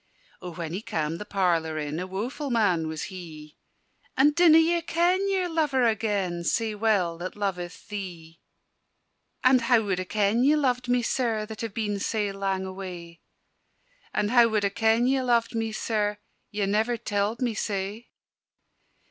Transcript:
O when he cam' the parlour in, A woeful man was he! "And dinna ye ken your lover agen, Sae well that loveth thee?" "And how wad I ken ye loved me, Sir, That have been sae lang away? And how wad I ken ye loved me, Sir? Ye never telled me sae."